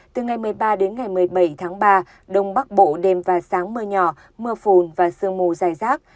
từ ngày một mươi ba một mươi bảy ba đồng bắc bộ đêm và sáng mưa nhỏ mưa phùn và sương mù dài rác